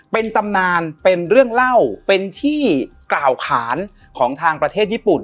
เป็นตำนานเป็นเรื่องเล่าเป็นที่กล่าวขานของทางประเทศญี่ปุ่น